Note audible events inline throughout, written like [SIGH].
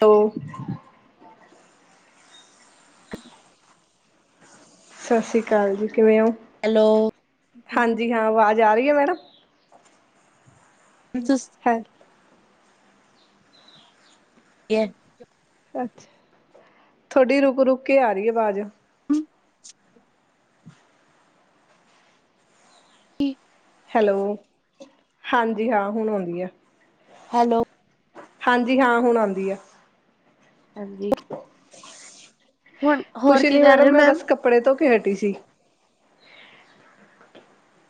ਤੋ ਸਸ ਰੀ ਕਾਲ ਜੀ ਕਿਵੇਂ ਓਂ, ਹੈਲੋ ਹਾਂਜੀ ਹਾਂ ਆਵਾਜ਼ ਆ ਰਈ ਐ ਮੈਡਮ। [INAUDIBLE] ਹੈ ਕੀ ਐ- ਅੱਛਾ, ਥੋਡੀ ਰੁਕ-ਰੁਕ ਕੇ ਆ ਰਈ ਐ ਵਾਜ਼। [INAUDIBLE] ਕੀ ਹੈਲੋ, ਹਾਂਜੀ ਹਾਂ ਹੁਨ ਔਂਦੀ ਐ। ਹੈਲੋ। ਹਾਂਜੀ ਹਾਂ ਹੁਨ ਆਂਦੀ ਆ। ਹਾਂਜੀ। ਹੁਣ ਹੋਰ ਕੁਛ ਕੀ ਨੀ ਕਰ ਰਹੇ ਮੈਡਮ ਹੋ ਮੈਂ ਮੈਮ ਬਸ ਕੱਪੜੇ ਧੋ ਕੇ ਹਟੀ ਸੀ।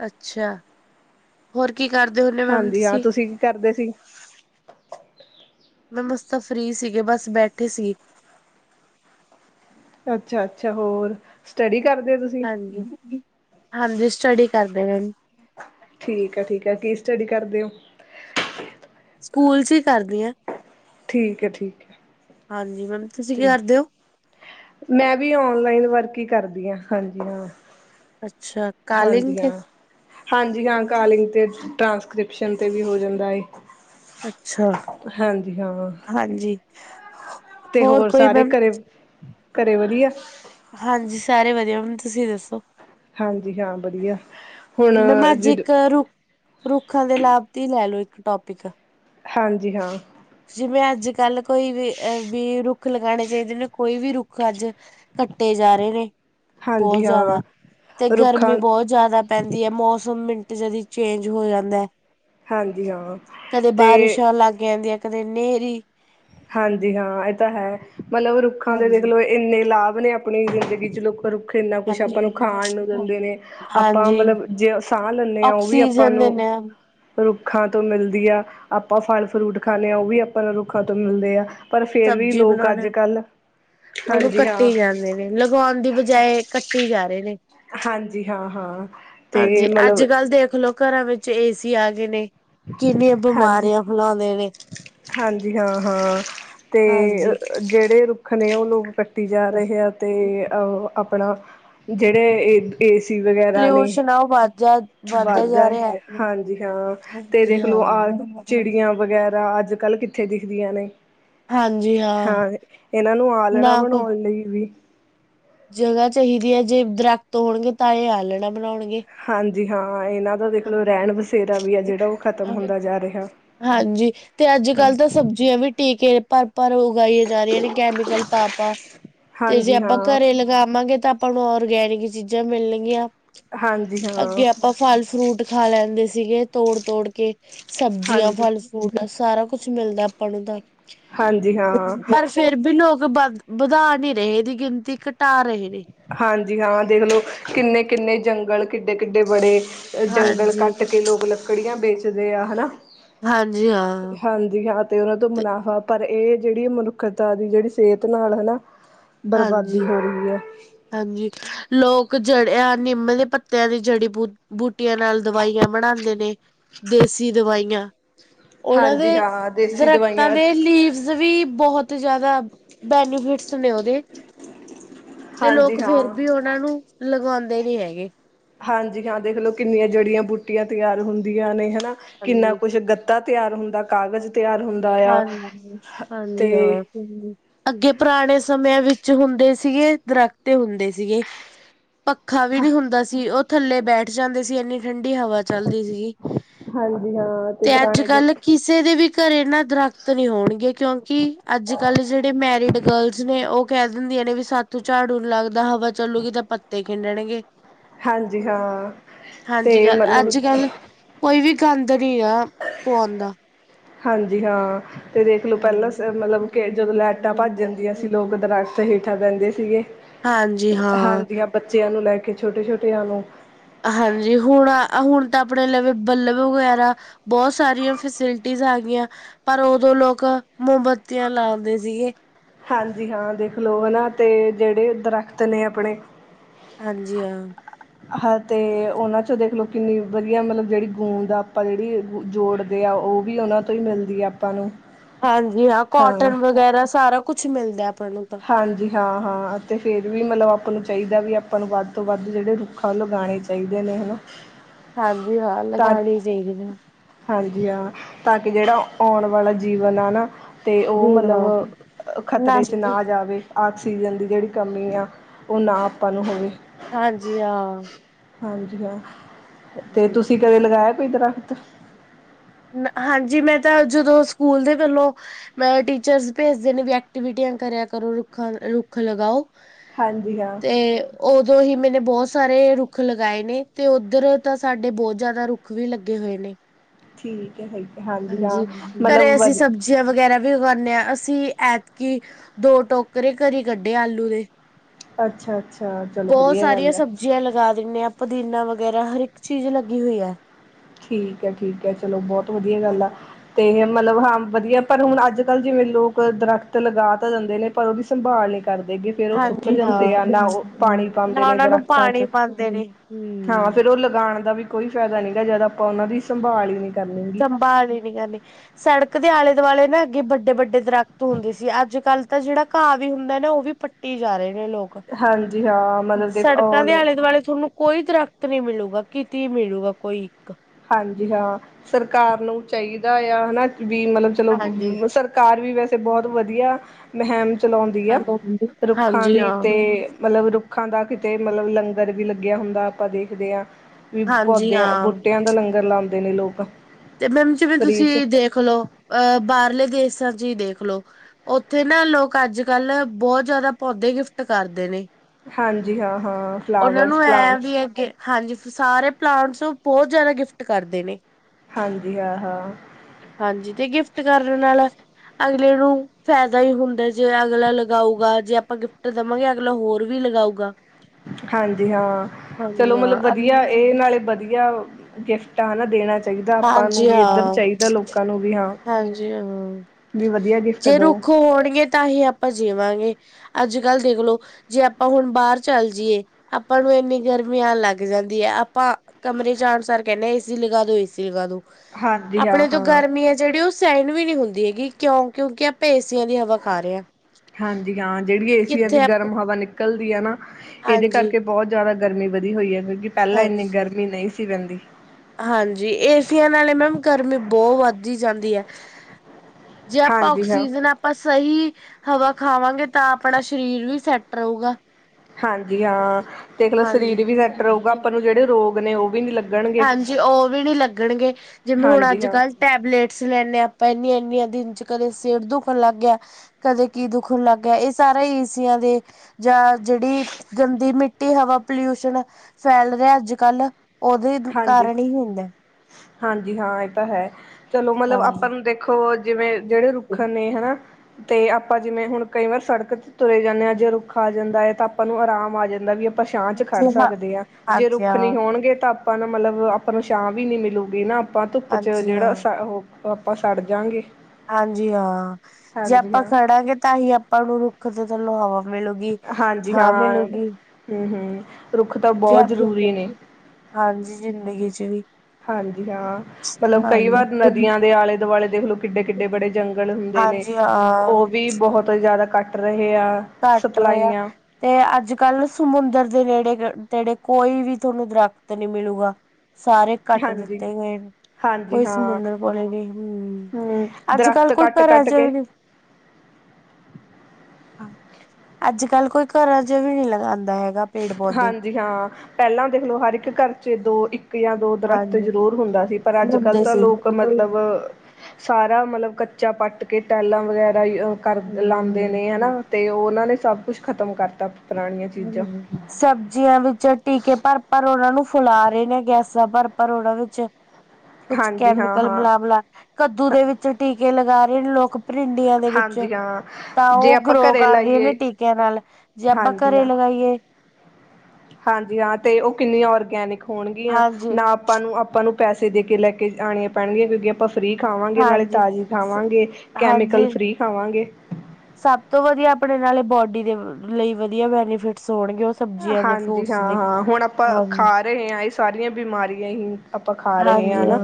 ਅੱਛੇਆ, ਹੋਰ ਕੀ ਕਰਦੇ ਹੁੰਨੇ ਓਂ ਮੈਮ ਤੁਸੀਂ। ਠੀਕ ਕਰਦੇ ਸੀ। ਮੈਮ ਅਸੀਂ ਤਾਂ ਫਰੀ ਸੀਗੇ ਬਸ ਬੈਠੇ ਸੀ। ਅੱਛਾ-ਅੱਛਾ, ਹੋਰ ਸਟੱਡੀ ਕਰਦੇ ਓਂ ਤੁਸੀਂ। ਹਾਂਜੀ-ਹਾਂਜੀ, ਸਟੱਡੀ ਕਰਦੇ ਮੈਮ। ਠੀਕ ਐ-ਠੀਕ ਐ ਕੀ ਸਟੱਡੀ ਕਰਦੇ ਓਂ। ਸਕੂਲ ਚ ਈ ਕਰਦੀ ਆਂ, ਠੀਕ ਹੈ ਠੀਕ ਹੈ ਹਾਂਜੀ ਮੈਮ ਤੁਸੀਂ ਕੀ ਤੇ ਕਰਦੇ ਓਂ। ਮੈਂ ਵੀ ਔਨਲਾਈਨ ਵਰਕ ਈ ਕਰਦੀ ਆਂ ਹਾਂਜੀ ਹਾਂ। ਅੱਛਾ। ਕਾਲਿੰਗ ਹਾਂਜੀ ਤੇ ਹਾਂ। ਹਾਂਜੀ ਹਾਂ ਕਾਲਿੰਗ ਤੇ ਟ੍ਰਾਂਸਕ੍ਰਿਪਸ਼ਨ ਤੇ ਵੀ ਹੋ ਜਾਂਦਾ ਏ। ਅੱਛਾ ਹਾਂਜੀ ਹਾਂ। ਹਾਂਜੀ। ਤੇ ਹੋਰ ਕੋਈ ਸਾਰੇ ਮੈਮ ਘਰੇ, ਘਰੇ ਵਦੀਆ। ਹਾਂਜੀ ਸਾਰੇ ਵਦੀਆ ਮੈਮ ਤੁਸੀਂ ਦੱਸੋ। ਹਾਂਜੀ ਹਾਂ ਵਦੀਆ, ਹੁਨ ਮੈਮ ਅੱਜ ਜਦੋ ਇੱਕ ਰੁੱਖ ਰੁੱਖਾਂ ਦੇ ਲਾਭ ਤੀ ਲੈ ਲੋ ਇੱਕ ਟੋਪਿਕ। ਹਾਂਜੀ ਹਾਂ। ਜਿਵੇਂ ਅੱਜ-ਕੱਲ ਕੋਈ ਵੀ ਅ ਵੀ ਰੁੱਖ ਰੁੱਖ ਲਗਾਨੇ ਚਾਈਦੇ ਨੇ ਕੋਈ ਵੀ ਰੁੱਖ ਅੱਜ ਕੱਟੇ ਜਾ ਰਏ ਨੇ। ਬਹੁ ਹਾਂਜੀ ਹਾਂ ਜ਼ਾਦਾ ਤੇ ਗਰਮੀ ਰੁੱਖਾਂ ਬਹੁ ਜਾਦਾ ਪੈਂਦੀ ਐ ਮੌਸਮ ਮਿੰਟ ਜਦੀ ਚੇਂਜ ਹੋ ਜਾਂਦੈ। ਹਾਂਜੀ ਹਾਂ ਕਦੇ ਤੇ ਬਾਰਿਸ਼ ਔਨ ਲੱਗ ਜਾਂਦੀਐ ਕਦੇ ਨੇਰੀ ਹਾਂਜੀ ਹਾਂ ਏ ਤਾਂ ਹੈ ਮਤਲਬ ਰੁੱਖਾਂ ਦੇ ਦੇਖ ਹਾਂਜੀ ਲੋ ਇੰਨੇ ਲਾਭ ਨੇ ਆਪਨੀ ਜ਼ਿੰਦਗੀ ਚ ਲੋਕ ਰੁੱਖ ਏਨਾ ਕੁੱਛ ਆਪਾਂ ਹਾਂਜੀ ਨੂੰ ਖਾਨ ਨੂੰ ਦਿੰਦੇ ਨੇ, ਆਪਾਂ ਮਤਲਬ ਜੇ ਸਾਹ ਲੈਂਨੇ ਆਂ ਓ ਸੀਜ਼ਨ ਨੇ ਮੈਮ। ਰੁੱਖਾਂ ਤੋਂ ਮਿਲਦੀ ਆ, ਆਪਾਂ ਫਲ ਫਰੂਟ ਖਾਂਨੇ ਆਂ ਓਹ ਵੀ ਆਪਾਂ ਨੂੰ ਰੁੱਖਾਂ ਤੋਂ ਮਿਲਦੇ ਆ। ਪਰ ਫੇਰ ਵੀ ਲੋਕ ਅੱਜ-ਕੱਲ ਓਨੂੰ ਕੱਟੀ ਜਾਂਦੇ ਨੇ ਲਗੌਨ ਦੀ ਬਜਾਏ ਕੱਟੀ ਜਾਰੇ ਨੇ। ਹਾਂਜੀ ਹਾਂ- ਹਾਂ ਤੇ ਮਤਲਬ ਕੱਲ ਦੇਖਲਓ ਘਰਾਂ ਵਿੱਚ ਏਸੀ ਆ ਗਏ ਨੇ ਕਿੰਨੀਆਂ ਹਾਂਜੀ ਬਿਮਾਰੀਆਂ ਫਲਾਉਂਦੇ ਨੇ। ਹਾਂਜੀ ਹਾਂ -ਹਾਂ ਤੇ ਹਾਂਜੀ ਜਿਹੜੇ ਰੁੱਖ ਨੇ ਉਹ ਲੋਕ ਕੱਟੇ ਜਾ ਰਹੀ ਆ ਅਤੇ ਪੋਲਿਊਸ਼ਨ ਆਪਣਾ ਜਿਹੜੇ ਏ- ਏ, ਸੀ ਵਗੈਰਾ ਨੇ। ਨਾਂ ਵਾਜਾ ਵੱਧਦਾ ਹਾਂਜੀ ਹਾਂ ਤੇ ਹਾਂਜੀ ਦੇਖਲੋ ਆ ਹਾਂ। ਚਿੜੀਆਂ ਵਗੈਰਾ ਅੱਜ- ਕੱਲ੍ਹ ਕਿੱਥੇ ਦਿਖਦੀਆਂ ਨੇ ਹਾਂ ਇਹਨਾਂ ਨੂੰ ਨਾ ਆਲਣਾ ਕੋਈ ਬਣਾਉਣ ਲਈ ਵੀ ਜਗ੍ਹਾ ਚਾਹੀਦੀ ਹੈ, ਜੇ ਦਰੱਖ਼ਤ ਹੋਣਗੇ ਤਾਂ ਇਹ ਆਲਣਾ ਬਣਾਉਣਗੇ ਹਾਂਜੀ, ਹਾਂ ਇਹਨਾਂ ਦਾ ਦੇਖਲੋ ਰਹਿਣ ਵਸੇਰਾ ਵੀ ਆ ਜਿਹੜਾ ਉਹ ਖ਼ਤਮ ਹੁੰਦਾ ਜਾ ਰਿਹਾ। ਹਾਂਜੀ ਤੇ ਅੱਜ- ਹਾਂ ਕੱਲ ਤਾਂ ਸਬਜ਼ੀਆਂ ਵੀ ਟੀਕੇ ਭਰ ਪਰ ਉਗਾਈਆਂ ਜਾ ਰਹੀਆਂ ਨੇ ਕੈਮੀਕਲ ਪਾ- ਪਾ ਤੇ ਜੇ ਹਾਂਜੀ ਆਪਾਂ ਹਾਂ ਘਰੇ ਲਗਾਵਾਂਗੇ ਤਾਂ ਆਪਾਂ ਨੂੰ ਔਰਗੈਨਿਕ ਚੀਜ਼ਾਂ ਮਿਲਣਗੀਆਂ ਹਾਂਜੀ ਹਾਂ ਅੱਗੇ ਆਪਾਂ ਫਲ ਫਰੂਟ ਖਾ ਲੈਂਦੇ ਸੀਗੇ ਤੋੜ ਤੋੜ ਕੇ ਸਬਜ਼ੀਆਂ ਹਾਂਜੀ। ਫਲ ਛਰੂਟ ਸਾਰਾ ਕੁਛ ਮਿਲਦਾ ਆਪਾਂ ਨੂੰ ਤਾ ਹਾਂਜੀ ਹਾਂ ਪਰ ਫੇਰ ਵੀ ਲੋਕ ਵਧ ਵਧਾ ਨਹੀਂ ਰਹੇ ਇਹਦੀ ਗਿਣਤੀ ਘਟਾ ਰਹੇ ਨੇ ਹਾਂਜੀ ਹਾਂ ਦੇਖਲੋ ਕਿੰਨੇ ਕਿੰਨੇ ਜੰਗਲ ਕਿੱਡੇ ਕਿੱਡੇ ਬੜੇ ਜੰਗਲ ਹਾਂਜੀ ਕੱਟ ਕੇ ਲੋਕ ਲੱਕੜੀਆਂ ਵੇਚਦੇ ਆ ਹਨਾ ਹਾਂਜੀ ਹਾਂ ਹਾਂਜੀ ਹਾਂ ਤੇ ਉਹਨਾਂ ਤੋਂ ਮੁਨਾਫ਼ਾ ਪਰ ਇਹ ਜਿਹੜੀ ਮਨੁੱਖਤਾ ਦੀ ਜਿਹੜੀ ਸਿਹਤ ਨਾਲ ਹਨਾ ਬਰਬਾਦੀ ਹਾਂਜੀ ਹੋ ਰਹੀ ਹੈ। ਹਾਂਜੀ ਲੋਕ ਜੜ ਨਿੰਮ ਦੇ ਪੱਤਿਆਂ ਦੀ ਜੜੀ ਬੂਟ ਬੂਟੀਆਂ ਨਾਲ ਦਵਾਈਆਂ ਬਣਾਉਂਦੇ ਨੇ ਦੇਸੀ ਦਵਾਈਆਂ ਉਹਨਾਂ ਹਾਂਜੀ ਦੇ ਹਾਂ ਦੇਸੀ ਦਰਖਤਾਂ ਦਵਾਈਆਂ ਦੇ ਲੀਵਸ ਵੀ ਬਹੁਤ ਜਿਆਦਾ ਬੈਨੀਫਿਟਸ ਨੇ ਉਹਦੇ ਤੇ ਹਾਂਜੀ ਲੋਕ ਫੇਰ ਹਾਂ ਵੀ ਉਹਨਾਂ ਨੂੰ ਲਗਾਉਂਦੇ ਨੀ ਹੈਗੇ ਹਾਂਜੀ ਹਾਂ ਦੇਖ ਲਓ ਕਿੰਨੀਆਂ ਜੜੀਆਂ ਬੂਟੀਆਂ ਤਿਆਰ ਹੁੰਦੀਆਂ ਨੇ ਹਨਾ ਕਿੰਨਾ ਹਾਂਜੀ। ਕੁਛ ਗੱ ਤਾ ਤਿਆਰ ਹੁੰਦਾ ਕਾਗਜ਼ ਤਿਆਰ ਹੁੰਦਾ ਆ ਹਾਂਜੀ ਤੇ ਹਾਂਜੀ ਹਾਂ ਅੱਗੇ ਪੁਰਾਣੇ ਸਮਿਆਂ ਵਿੱਚ ਹੁੰਦੇ ਸੀਗੇ ਦਰਖਤ ਹੁੰਦੇ ਸੀਗੇ ਪੱਖਾ ਵੀ ਨਹੀਂ ਹੁੰਦਾ ਸੀ ਉਹ ਥੱਲੇ ਬੈਠ ਜਾਂਦੇ ਸੀ ਇੰਨੀ ਠੰਡੀ ਹਵਾ ਚੱਲਦੀ ਸੀਗੀ ਹਾਂਜੀ ਹਾਂ ਤੇ ਅੱਜ ਪੁਰਾਣੇ ਜ ਕੱਲ ਕਿਸੇ ਦੇ ਵੀ ਘਰੇ ਨਾ ਦਰਖਤ ਨਹੀਂ ਹੋਣਗੇ ਕਿਉਂਕਿ ਅੱਜ ਕੱਲ ਜਿਹੜੇ ਮੈਰਿਡ ਗਰਲਜ਼ ਨੇ ਉਹ ਕਹਿ ਦਿੰਦੀਆਂ ਨੇ ਵੀ ਸਾ ਤੋ ਝਾੜੂ ਨੀ ਲੱਗਦਾ ਹਵਾ ਚੱਲੂਗੀ ਤਾਂ ਪੱਤੇ ਖਿਡਣਗੇ ਹਾਂਜੀ ਹਾਂ ਤੇ ਹਾਂਜੀ ਗੱਲ ਮਤਲਬ ਅੱਜ ਕੱਲ ਕੋਈ ਵੀ ਗੰਦ ਨੀ ਆ ਪਵਾਉਂਦਾ ਹਾਂਜੀ ਹਾਂ ਤੇ ਦੇਖ ਲਓ ਪਹਿਲਾਂ ਹਾਂਜੀ। ਮਤਲਬ ਕਿ ਜਦੋਂ ਲੈਟਾਂ ਭੱਜ ਜਾਂਦੀਆਂ ਸੀ ਲੋਕ ਦਰੱਖਤ ਹੇਠਾਂ ਬਹਿੰਦੇ ਸੀਗੇ ਹਾਂਜੀ ਹਾਂ ਬੱਚਿਆਂ ਨੂੰ ਲੈ ਕੇ ਛੋਟੇ ਛੋਟਿਆਂ ਨੂੰ ਹਾਂਜੀ ਹੁਣ ਹੁਣ ਤਾਂ ਆਪਣੇ ਲਵੇ ਬੱਲਬ ਵਗੈਰਾ ਬਹੁਤ ਸਾਰੀਆਂ ਫੈਸਿਲਿਟੀਜ ਆਗੀਆਂ ਪਰ ਉਦੋਂ ਲੋਕ ਮੋਮਬੱਤੀਆਂ ਲਾਉਂਦੇ ਸੀਗੇ ਹਾਂਜੀ ਹਾਂ ਦੇਖ ਲਓ ਹਨਾ ਤੇ ਜਿਹੜੇ ਦਰਖਤ ਨੇ ਆਪਣੇ ਹਾਂਜੀ ਹਾਂ ਹਾਂ ਅਤੇ ਉਹਨਾਂ ਚੋ ਦੇਖ ਲੈ ਕਿੰਨੀ ਵਧੀਆ ਮਤਲਬ ਜਿਹੜੀ ਗੂੰਦ ਆਪਾਂ ਜਿਹੜੀ ਜੋੜ ਦੇ ਆ ਉਹ ਵੀ ਉਹਨਾਂ ਤੋਂ ਹੀ ਮਿਲਦੀ ਆਪਾਂ ਨੂੰ ਹਾਂਜੀ ਹਾਂ ਕੋਟਨ ਵਗੈਰਾ ਸਾਰਾ ਕੁਛ ਮਿਲਦਾ ਆਪਾਂ ਨੂੰ ਤਾਂ। ਹਾਂਜੀ ਹਾਂ-ਹਾਂ ਅਤੇ ਫੇਰ ਵੀ ਮਤਲਬ ਆਪਾਂ ਨੂੰ ਚਾਹੀਦਾ ਵੀ ਆਪਾਂ ਨੂੰ ਵੱਧ ਤੋਂ ਵੱਧ ਜਿਹੜੇ ਰੁ ਰੁੱਖ ਲਗਾਣੇ ਚਾਹੀਦੇ ਨੇ ਹਨਾ। ਹਾਂਜੀ ਹਾਂ ਲਗਾਨੇ ਹੀ ਚਾਹੀਦੇ ਨੇ। ਹਾਂਜੀ ਹਾਂ, ਤਾਂ ਕਿ ਜਿਹੜਾ ਆਉਣ ਵਾਲਾ ਜੀਵਨ ਆ ਨਾ ਤੇ ਉਹ ਹਾਂਜੀ ਹਾਂ। ਮਤਲਬ ਖਤਰੇ ਨਾਸ਼ਤੇ ਜਾਵੇ ਆਕਸੀਜਨ ਦੀ ਜਿਹੜੀ ਕਮੀ ਆ, ਉਹ ਨਾ ਆਪਾਂ ਨੂੰ ਹੋਵੇ। ਹਾਂਜੀ ਹਾਂ। ਹਾਂਜੀ ਹਾਂ, ਤੇ ਤੁਸੀਂ ਕਦੇ ਲਗਾਇਆ ਕੋਈ ਦਰਖਤ? ਹਾਂਜੀ ਮੈਂ ਤਾਂ ਜਦੋਂ ਸਕੂਲ ਦੇ ਵੱਲੋਂ ਮੈਂ ਟੀਚਰਜ ਭੇਜਦੇ ਨੇ ਵੀ ਐਕਟੀਵਿਟੀਆਂ ਕਰਿਆ ਕਰੋ ਰੁੱਖ ਰੁੱਖ ਲਗਾਓ। ਹਾਂਜੀ ਹਾਂ। ਤੇ ਉਦੋਂ ਹੀ ਮੈਨੇ ਬਹੁਤ ਸਾਰੇ ਰੁੱਖ ਲਗਾਏ ਨੇ ਤੇ ਉੱਧਰ ਤਾਂ ਸਾਡੇ ਬਹੁਤ ਜ਼ਿਆਦਾ ਰੁੱਖ ਰੁੱਖ ਵੀ ਲੱਗੇ ਹੋਏ ਨੇ। ਠੀਕ ਹੈ ਠੀਕ ਹੈ ਹਾਂਜੀ ਹਾਂ, ਮਤਲਬ ਵਧ- ਜ ਵਗੈਰਾ ਵੀ ਉਗਾਨੇ ਆ ਅਸੀਂ ਐਤਕੀ ਦੋ ਟੋਕਰੇ ਘਰੇ ਕੱਢੇ ਆਲੂ ਦੇ। ਅੱਛਾ-ਅੱਛਾ। ਬਹੁਤ ਸਾਰੀਆਂ ਸਬਜ਼ੀਆਂ ਲਗਾ ਦਿੰਨੇ ਆ ਪੁਦੀਨਾ ਵਗੈਰਾ ਹਰ ਇੱਕ ਚੀਜ਼ ਲੱਗੀ ਹੋਈ ਆ। ਠੀਕ ਹੈ ਠੀਕ ਹੈ ਚਲੋ ਬਹੁਤ ਵਧੀਆ ਗੱਲ ਆ ਤੇ ਮਤਲਬ ਹਾਂ ਵਧੀਆ- ਪਰ ਹੁਣ ਅੱਜ ਕੱਲ੍ਹ ਜਿਵੇਂ ਲੋਕ ਦਰਖਤ ਲਗਾ ਤਾਂ ਦੇਦੇ ਨੇ ਪਰ ਉਹਦੀ ਸੰਭਾਲ ਨਹੀਂ ਕਰਦੇ ਗੇ। ਫੇਰ ਉਹ ਸੁੱਕ ਹਾਂਜੀ ਜਾਂਦੇ ਹਾਂ ਆ ਨਾ ਉਹ ਪਾਣੀ ਪਾਂਦੇ ਨਾ ਨੇ ਉਹਨਾਂ ਨੂੰ ਦਰਖਤਾਂ 'ਚ ਪਾਣੀ ਪਾਉਂਦੇ ਨੇ ਹਾਂ। ਹਮ ਫਿਰ ਉਹ ਲਗਾਉਣ ਦਾ ਵੀ ਕੋਈ ਫਾਇਦਾ ਨਹੀਂ ਜਦ ਆਪਾਂ ਉਹਨਾਂ ਦੀ ਸੰਭਾਲ ਹੀ ਨਹੀਂ ਕਰਨੀ ਗੀ ਸੰਭਾਲ ਈ ਨੀ ਕਰਨੀ। ਸੜਕ ਦੇ ਆਲੇ-ਦੁਆਲੇ ਨਾ ਅੱਗੇ ਵੱਡੇ-ਵੱਡੇ ਦਰਖ਼ਤ ਹੁੰਦੇ ਸੀ ਅੱਜਕੱਲ ਤਾਂ ਜਿਹੜਾ ਘਾਹ ਵੀ ਹੁੰਦਾ ਨਾ ਉਹ ਵੀ ਪੱਟੀ ਜਾ ਰਹੇ ਨੇ ਲੋਕ। ਹਾਂਜੀ ਹਾਂ ਮਤਲਬ ਸੜਕਾਂ ਉਹ ਦੇ ਲੋ ਆਲੇ-ਦੁਆਲੇ ਥੋਨੂੰ ਕੋਈ ਦਰਖਤ ਨਹੀਂ ਮਿਲੂਗਾ ਕਿਤੇ ਮਿਲੂਗਾ ਕੋਈ। ਹਾਂਜੀ ਹਾਂ, ਸਰਕਾਰ ਨੂੰ ਚਾਹੀਦਾ ਆ ਹਨਾ ਵੀ ਮਤਲਬ ਹਾਂਜੀ ਚਲੋ ਸਰ ਕਾਰ ਵੀ ਵੈਸੇ ਬਹੁਤ ਵਧੀਆ ਮਹਿੰਮ ਚਲਾਉਂਦੀ ਆ, ਹਾਂਜੀ ਰੁੱਖਾਂ ਹਾਂਜੀ ਦੀ ਹਾਂ ਤੇ ਮਤਲਬ ਰੁੱਖ ਰੁੱਖਾਂ ਦਾ ਕਿਤੇ ਮਤਲਬ ਲੰਗਰ ਵੀ ਲੱਗਿਆ ਹੁੰਦਾ ਆਪਾਂ ਦੇਖਦੇ ਆ, ਵੀ ਹਾਂਜੀ ਪੌਦਿਆਂ ਹਾਂ ਪੋਦਿਆਂ ਦਾ ਲੰਗਰ ਲਾਂਦੇ ਨੇ ਲੋਕ। ਤੇ ਮੈਮ ਜਿਵੇਂ ਫਰੀ ਚ ਤੁਸੀਂ ਦੇਖ ਲਓ, ਅ ਬਾਹਰਲੇ ਦੇਸਾਂ 'ਚ ਹੀ ਦੇਖ ਲੋ। ਉੱਥੇ ਨਾ ਲੋਕ ਅੱਜਕੱਲ੍ਹ ਬਹੁਤ ਜ਼ਿਆਦਾ ਪੌਦੇ ਗਿਫਟ ਕਰਦੇ ਨੇ। ਹਾਂਜੀ ਹਾਂ-ਹਾਂ ਉਹਨਾਂ ਫਲਾਵਰਸ ਨੂੰ ਐ ਪਲਾਂਟਸ। ਵੀ ਅੱਗੇ ਹਾਂਜੀ ਸਾਰੇ ਪਲਾਂਟਸ ਬਹੁਤ ਜ਼ਿਆਦਾ ਗਿਫਟ ਕਰਦੇ ਨੇ। ਹਾਂਜੀ ਹਾਂ-ਹਾਂ। ਹਾਂਜੀ ਤੇ ਗਿਫਟ ਕਰਨ ਨਾਲ ਅਗਲੇ ਨੂੰ ਫਾਇਦਾ ਹੀ ਹੁੰਦਾ ਜੇ ਅਗਲਾ ਲਗਾਊਗਾ ਜੇ ਆਪਾਂ ਗਿਫਟ ਦਵਾਂਗੇ ਅਗਲਾ ਹੋਰ ਵੀ ਲਗਾਉਗਾ। ਹਾਂਜੀ ਹਾਂ, ਚਲੋ ਮਤਲਬ ਹਾਂ ਵਧੀਆ ਹਾਂਜੀ ਇਹ ਨਾਲੇ ਵਧੀਆ- ਗਿਫਟ ਹਨਾ ਦੇਣਾ ਚਾਹੀਦਾ ਆਪਾਂ ਨੂੰ ਵੀ ਇੱਧਰ ਹਾਂ ਚਾਹੀਦਾ ਲੋਕਾਂ ਨੂੰ ਵੀ ਹਾਂ। ਹਾਂਜੀ ਹਾਂ ਵੀ ਵਧੀਆ ਗਿਫਟ ਜੇ ਦਉ। ਰੁੱਖ ਹੋਣਗੇ ਤਾਂ ਹੀ ਆਪਾਂ ਜੀਵਾਂਗੇ। ਅੱਜਕੱਲ੍ਹ ਦੇਖਲੋ ਜੇ ਆਪਾਂ ਹੁਣ ਬਾਹਰ ਚਲ ਜੀਏ। ਆਪਾਂ ਨੂੰ ਇੰਨੀ ਗਰਮੀ ਲੱਗ ਜਾਂਦੀ ਹੈ ਆਪਾਂ ਕਮਰੇ 'ਚ ਆਣਸਾਰ ਕਹਿੰਨੇ ਆ ਏ ਸੀ ਲਗਾ ਦੋ ਏਸੀ ਏ ਸੀ ਲਗਾ ਦੋਂ। ਹਾਂਜੀ ਹਾਂ ਆਪਣੇ ਤੋਂ ਹਾਂ। ਗਰਮੀ ਹੈ ਜਿਹੜੀ ਉਹ ਸੈਣ ਵੀ ਨੀ ਹੁੰਦੀ ਹੈਗੀ ਕਿਉਂ ਕਿਉਂਕਿ ਏਸੀਆਂ ਦੀ ਹਵਾ ਖਾ ਰੇ ਆਂ, ਹਾਂਜੀ ਹਾਂ ਜਿਹੜੀ ਏਸੀਆਂ ਕਿੱਥੇ ਦੀ ਆਪਾਂ ਗਰਮ ਹਵਾ ਨਿਕਲਦੀ ਐ ਨਾ ਏਦੇ ਹਾਂਜੀ ਕਰਕੇ ਬੋਤ ਜਾਦਾ ਗਰਮੀ ਵਧੀ ਹੋਈ ਐ ਕਿਉਂਕਿ ਪਹਿਲਾਂ ਹਾਂਜੀ ਇੰਨੀ ਗਰਮੀ ਨਈ ਸੀ ਰਹਿੰਦੀ। ਹਾਂਜੀ ਏਸੀਆਂ ਨਾਲੇ ਮੈਮ ਗਰਮੀ ਬੋ ਵੱਧੀ ਜਾਂਦੀ ਐ। ਜੇ ਆਪਾਂ ਹਾਂਜੀ ਹਾਂ ਆਕਸੀਜਨ ਆਪਾਂ ਸਹੀ ਹਵਾ ਖਾਵਾਂਗੇ ਤਾਂ ਆਪਣਾ ਸਰੀਰ ਵੀ ਸੈਟ ਰਹੂਗਾ। ਹਾਂਜੀ ਹਾਂ ਦੇਖ ਲੋ ਹਾਂਜੀ ਸਰੀਰ ਵੀ ਸੈੱਟ ਰਊਗਾ ਆਪਾਂ ਨੂੰ ਜੇੜੇ ਰੋਗ ਨੇ ਓ ਵੀ ਨੀ ਲੱਗ ਹਾਂਜੀ ਓ ਵੀ ਨੀ ਲੱਗਣਗੇ ਜਿਵੇਂ ਹੁਣ ਹਾਂਜੀ ਅੱਜ ਹਾਂ ਕੱਲ੍ਹ ਟੈਬਲੇਟਸ ਲੈਂਨੇ ਆਂ ਆਪਾਂ ਇੰਨੀਆਂ-ਇੰਨੀਆਂ ਦਿਨ 'ਚ ਕਦੇ ਸਿਰ ਦੁਖਣ ਲੱਗ ਗਿਆ। ਕਦੇ ਕੀ ਦੁਖਣ ਲੱਗ ਗਿਆ ਐ ਸਾਰਾ ਏਸੀਆਂ ਦੇ ਜਾਂ ਜੇੜੀ ਗੰਦੀ ਮਿੱਟੀ, ਹਵਾ, ਪੋਲਿਊਸ਼ਨ ਫੈਲ ਰਿਹਾ ਅੱਜ-ਕੱਲ੍ਹ ਓਦੇ ਹਾਂਜੀ, ਹਾਂਜੀ ਹਾਂ ਐ ਤਾਂ ਹੈ, ਚਲੋ ਮਤਲਬ ਆਪਾਂ ਹਾਂਜੀ ਨੂੰ ਦੇਖ ਖੋ, ਜਿਵੇਂ ਜੇੜੇ ਰੁੱਖ ਨੇ ਹਨਾ। ਤੇ ਆਪਾਂ ਜਿਵੇਂ ਹੁਣ ਕਈ ਵਾਰ ਸੜਕ ਤੇ ਤੁਰੇ ਜਾਂਨੇ ਆਂ ਜੇ ਰੁੱਖ ਆ ਜਾਂਦਾ ਐ ਤਾਂ ਆਪਾਂ ਨੂੰ ਆਰਾਮ ਆ ਜਾਂਦਾ ਵੀ ਆਪਾਂ ਛਾਹ ਚ ਖੜ ਜੀ ਹਾਂ ਸਕਦੇ ਆਂ ਜੇ ਹਾਂਜੀ ਰੁੱਖ ਨੀ ਹਾਂ, ਹੋਣਗੇ ਤਾਂ ਆਪਾਂ ਨਾ ਮਤਲਬ ਆਪਾਂ ਨੂੰ ਛਾਂ ਵੀ ਨੀ ਮਿਲੂਗੀ ਨਾ ਆਪਾਂ ਧੁੱਪ 'ਚ ਹਾਂਜੀ ਜੇੜਾ ਹਾਂ, ਓ ਓ ਆਪਾਂ ਸੜ ਜਾਂਗੇ। ਹਾਂਜੀ ਹਾਂ ਜੇ ਹਾਂਜੀ ਆਪਾਂ ਹਾਂ ਖੜਾਂਗੇ ਤਾਂ ਹੀ ਆਪਾਂ ਨੂੰ ਰੁੱਖ ਦੇ ਥੱਲੋ ਹਵਾ ਮਿਲੂਗੀ, ਹਾਂਜੀ ਛਾਹ ਹਾਂ ਮਿਲੂਗੀ। ਹੂੰ ਹੂੰ, ਰੁੱਖ ਤਾਂ ਜੇ ਬੋਤ ਜ਼ਰੂਰੀ ਨੇ। ਆਪ- ਹਾਂਜੀ ਜ਼ਿੰਦਗੀ 'ਚ ਵੀ। ਹਾਂਜੀ ਹਾਂ। ਮਤਲਬ ਕਈ ਹਾਂਜੀ। ਵਾਰ ਨਦੀਆਂ ਦੇ ਆਲੇ ਦੁਆਲੇ ਦੇਖ ਲੋਂ ਕਿੱਡੇ ਕਿੱਡੇ ਬੜੇ ਜੰਗਲ ਹੁੰਦੇ ਨੇ ਹਾਂਜੀ ਹਾਂ ਓ ਵੀ ਬੋਹਤ ਜਾਦਾ ਕੱਟ ਰਹੇ ਆ। ਕੱਟ ਰਏ ਆ। ਸਪਲਾਈਆਂ ਤੇ ਅੱਜ ਕੱਲ ਸਮੁੰਦਰ ਦੇ ਨੇੜੇ ਤੇੜੇ ਕੋਈ ਵੀ ਤੁਹਾਨੂੰ ਦਰਖਤ ਨੀ ਮਿਲੂਗਾ। ਸਾਰੇ ਕੱਟ ਹਾਂਜੀ ਦਿੱਤੇ ਗਏ ਨ। ਹਾਂਜੀ ਕੋਈ ਹਾਂ ਸਮੁੰਦਰ ਕੋਲੇ ਨੀ ਹੂੰ, ਹਮ ਅੱਜ ਕੱਲ ਦਰਖਤ ਕੋਈ ਕੱਟ ਘਰਾਂ ਕੱਟ 'ਚ ਕੇ ਵੀ ਨੀ ਆ। ਅੱਜ ਕੱਲ ਕੋਈ ਘਰਾਂ 'ਚ ਵੀ ਨੀ ਲਗਾਂਦਾ ਹੈਗਾ ਪੇੜ ਪੌਦੇ। ਜੀ ਹਾਂ ਪਹਿਲਾਂ ਦੇਖਲੋ ਹਰ ਇੱਕ ਘਰ 'ਚ ਦੋ ਇੱਕ ਇੱਕ ਯਾ ਦੋ ਦਰਖਤ ਹਾਂਜੀ ਜ਼ਰੂਰ ਹੁੰਦਾ ਸੀ ਪਰ ਅੱਜ-ਕੱਲ ਹੁੰਦੇ ਤਾਂ ਸੀ। ਲੋਕ ਮਤਲਬ ਸਾਰਾ ਮਤਲਬ ਕੱਚਾ ਪੱਟ ਕੇ ਟੈਲਾਂ ਵਗੈਰਾ ਅ ਕਰ ਲਾ ਦੇ ਨੇ ਹਨਾ ਤੇ ਓਨਾਂ ਨੇ ਸਭ ਕੁਛ ਖਤਮ ਕਰਤਾ ਪੁਰਾਨੀਆਂ ਚੀਜ਼ਾਂ। ਸਬਜ਼ੀਆਂ ਵਿੱਚ ਟੀਕੇ ਭਰ ਭਰ ਓਨਾ ਨੂੰ ਫੂਲਾ ਰੇ ਨੇ ਗੈਸਾਂ ਭਰ ਭਰ ਓਨਾਂ ਵਿੱਚ। ਕੁਛ ਹਾਂਜੀ ਹਾਂ ਕੈਮੀਕਲ ਮਿਲਾ ਹਾਂ ਵਿਲਾ, ਕੱਦੂ ਦੇ ਵਿੱਚ ਟੀਕੇ ਲਗਾ ਰੇ ਨੇ ਲੋਕ ਪਰਿੰਡੀਆਂ ਦੇ ਵਿੱਚ ਹਾਂਜੀ ਹਾਂ ਤਾਂ ਜੇ ਓ ਆਪਾਂ ਗਰੋ ਘਰੇ ਕਰ ਰਏ ਨੇ ਲਾਈਏ ਟੀਕਿਆਂ ਨਾਲ ਜੇ ਆਪਾਂ ਹਾਂਜੀ ਘਰੇ ਹਾਂ ਲਗਾਈਏ ਹਾਂਜੀ ਹਾਂ ਤੇ ਓ ਕਿੰਨੀਆਂ ਔਰਗੈਨਿਕ ਹੋਣਗੀਆਂ ਹਾਂਜੀ ਨਾ ਆਪਾਂ ਨੂੰ, ਆਪਾਂ ਨੂੰ ਪੈਸੇ ਦੇ ਕੇ ਲੈ ਕੇ ਆਣੀਆਂ ਪੈਣਗੀਆਂ ਕਿਉਂਕਿ ਆਪਾਂ ਫ੍ਰੀ ਖਾਵਾਂਗੇ ਨਾਲੇ ਹਾਂਜੀ ਤਾਜ਼ੀ ਸ ਖਾਵਾਂਗੇ, ਕੈਮੀਕਲ ਹਾਂਜੀ ਫ੍ਰੀ ਖਾਵਾਂਗੇ। ਸਭ ਤੋਂ ਵਧੀਆ ਆਪਣੇ ਨਾਲੇ ਬੋਡੀ ਦੇ ਲਈ ਵਧੀਆ ਬੈਨੀਫਿਟਸ ਹੋਣਗੇ ਓਸ ਹਾਂਜੀ ਹਾਂ ਹਾਂ, ਹੁਣ ਆਪਾਂ ਹਾਂਜੀ ਖਾ ਰਹੇ ਆਂ ਏ ਸਾਰੀਆਂ ਬਿਮਾਰੀਆਂ ਹੀ ਆਪਾਂ ਖਾ ਰਹੇ ਹਾਂਜੀ ਹਾਂ ਨਾ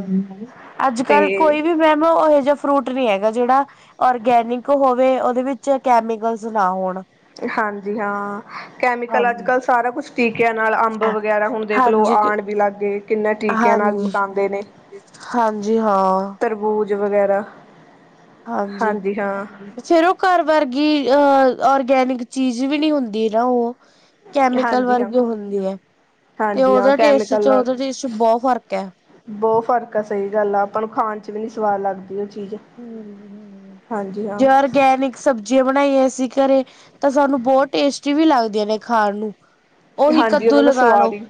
ਅੱਜ ਤੇ ਕੱਲ ਕੋਈ ਵੀ ਮੈਮ ਓਹੇ ਜਾ ਫਰੂਟ ਨੀ ਹੈਗਾ ਜੇੜਾ ਔਰਗੈਨਿਕ ਹੋਵੇ ਓਦੇ ਵਿੱਚ ਐ ਕੈਮੀਕਲਸ ਨਾ ਹੋਣ। ਹਾਂਜੀ ਹਾਂ, ਕੈਮੀਕਲ ਅੱਜ ਹਾਂਜੀ ਕੱਲ ਸਾਰਾ ਕੁਛ ਟੀਕਿਆਂ ਨਾਲ ਅੰਬ ਵਗੈਰਾ ਹੁਣ ਦੇਖ ਲਓ ਹਾਂਜੀ ਆਣ ਵੀ ਲੱਗ ਗਏ ਕਿੰਨਾਂ ਟੀਕਿਆਂ ਨਾਲ ਹਾਂਜੀ ਪਕਾਦੇ ਨੇ। ਹਾਂਜੀ ਹਾਂ। ਤਰਬੂਜ਼ ਵਗੈਰਾ। ਹਾਂਜੀ। ਫੇਰ ਉਹ ਘਰ ਵਰਗੀ ਅਹ ਔਰਗੈਨਿਕ ਚੀਜ਼ ਵੀ ਨੀ ਹੁੰਦੀ ਨਾ ਉਹ। ਕੈਮੀਕਲ ਹਾਂਜੀ ਹਾਂ, ਵਰਗੀ ਹੁੰਦੀ ਹੈ, ਤੇ ਹਾਂਜੀ ਹਾਂ ਉਹਦੇ ਟੇਸਟ ਕੈਮੀਕਲ 'ਚ ਨਾਲ ਉਹਦੇ ਟੇਸਟ 'ਚ ਬਹੁਤ ਫ਼ਰਕ ਐ। ਬਹੁਤ ਫ਼ਰਕ ਆ ਸਹੀ ਗੱਲ ਆ ਆਪਾਂ ਨੂੰ ਖਾਣ 'ਚ ਵੀ ਨੀ ਸਵਾਦ ਲੱਗਦੀ ਉਹ ਚੀਜ਼। [UNINTELLIGIBLE] ਹਾਂਜੀ ਹਾਂ। ਜੋ ਔਰਗੈਨਿਕ ਸਬਜ਼ੀਆਂ ਬਣਾਈਆਂ ਸੀ ਘਰੇ ਤਾਂ ਸਾਨੂੰ ਬਹੁਤ ਟੇਸਟੀ ਵੀ ਲੱਗਦੀਆਂ ਨੇ ਖਾਣ ਨੂੰ। ਉਹੀ ਹਾਂਜੀ ਕੱਦੂ ਉਹਨਾਂ ਦਾ ਲਗਾ ਲਓ, ਸਵਾਦ ਹੀ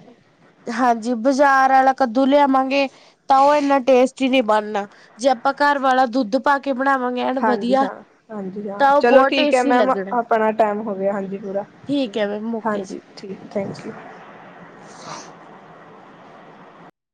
ਹਾਂਜੀ ਬਾਜ਼ਾਰ ਆਲਾ ਕੱਦੂ ਲਿਆਵਾਂਗੇ ਤਾਂ ਉਹ ਇੰਨਾ ਟੇਸਟੀ ਨਹੀਂ ਬਣਨਾ, ਜੇ ਆਪਾਂ ਘਰ ਵਾਲਾ ਦੁੱਧ ਪਾ ਕੇ ਬਣਾਵਾਂਗੇ ਐਨ ਹਾਂਜੀ ਵਧੀਆ, ਹਾਂ, ਹਾਂਜੀ ਹਾਂ ਤਾਂ ਉਹ ਚਲੋ ਬਹੁਤ ਠੀਕ ਹੈ ਟੇਸਟੀ ਮੈਮ ਲੱਗਣ। ਆਪਣਾ ਟਾਈਮ ਹੋ ਗਿਆ ਹਾਂਜੀ ਪੂਰਾ ਠੀਕ ਹੈ ਮ- ਹਾਂਜੀ ਠੀਕ ਥੈਂਕ ਯੂ।